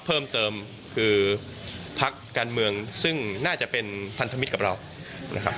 เพิ่มเติมคือพักการเมืองซึ่งน่าจะเป็นพันธมิตรกับเรานะครับ